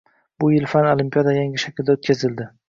Bu yil fan olimpiadalari yangi shaklda o‘tkazildi